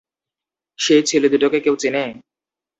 সেই ছেলে দুটোকে কেউ চেনে?